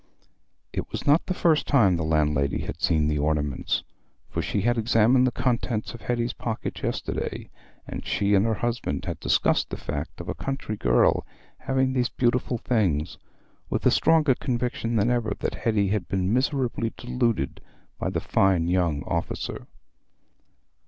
It was not the first time the landlady had seen the ornaments, for she had examined the contents of Hetty's pocket yesterday, and she and her husband had discussed the fact of a country girl having these beautiful things, with a stronger conviction than ever that Hetty had been miserably deluded by the fine young officer.